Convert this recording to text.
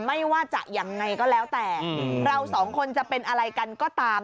ไม่ว่าจะยังไงก็แล้วแต่เราสองคนจะเป็นอะไรกันก็ตาม